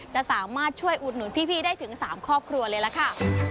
จะสามารถช่วยอุดหนุนพี่ได้ถึง๓ครอบครัวเลยล่ะค่ะ